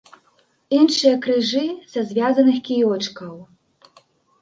Іншыя крыжы са звязаных кіёчкаў.